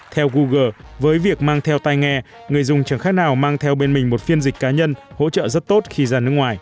theo google với việc mang theo tay nghe người dùng chẳng khác nào mang theo bên mình một phiên dịch cá nhân hỗ trợ rất tốt khi ra nước ngoài